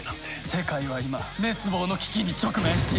世界は今滅亡の危機に直面している！